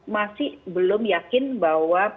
masih belum yakin bahwa